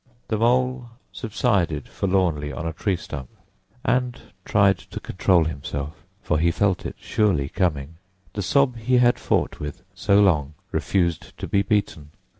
The Mole subsided forlornly on a tree stump and tried to control himself, for he felt it surely coming. The sob he had fought with so long refused to be beaten.